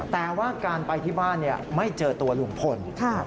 แต่ว่าการไปที่บ้านไม่เจอตัวลุงพล